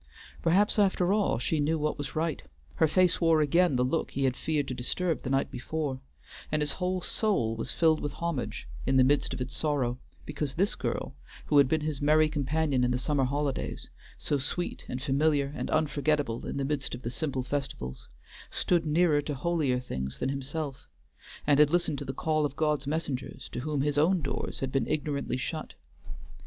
Perhaps, after all, she knew what was right; her face wore again the look he had feared to disturb the night before, and his whole soul was filled with homage in the midst of its sorrow, because this girl, who had been his merry companion in the summer holidays, so sweet and familiar and unforgetable in the midst of the simple festivals, stood nearer to holier things than himself, and had listened to the call of God's messengers to whom his own doors had been ignorantly shut.